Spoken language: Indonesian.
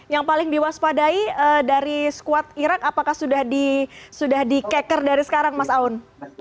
yang paling diwaspadai dari squad iraq apakah sudah di keker dari sekarang mas aun